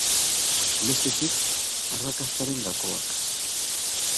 Bestetik, arrakastaren gakoak.